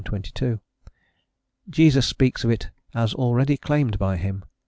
22); Jesus speaks of it as already claimed by him (x.